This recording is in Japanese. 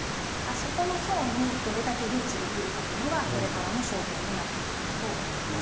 そこの層にどれだけリーチできるかっていうのが、これからの焦点になってくるかと思います。